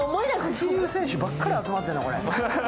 一流選手ばっかり集まってるな、これ。